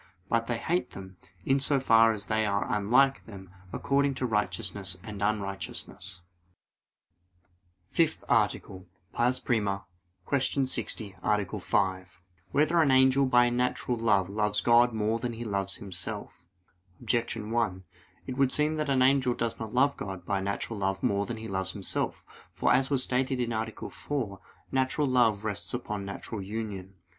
But they hate them, in so far as they are unlike them according to righteousness and unrighteousness. _______________________ FIFTH ARTICLE [I, Q. 60, Art. 5] Whether an angel by natural love loves God more than he loves himself? Objection 1: It would seem that the angel does not love God by natural love more than he loves himself. For, as was stated (A. 4), natural love rests upon natural union.